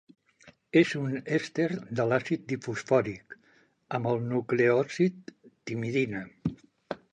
És un èster de l'àcid difosfòric amb el nucleòsid timidina.